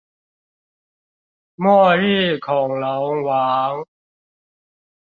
末日恐龍王